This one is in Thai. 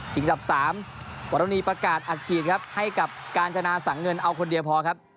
ดับ๓กรณีประกาศอัดฉีดครับให้กับกาญจนาสังเงินเอาคนเดียวพอครับ